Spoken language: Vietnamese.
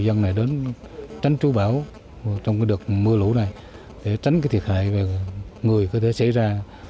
hội dân này đến tránh trú bão trong cái đợt mưa lũ này để tránh cái thiệt hại người có thể xảy ra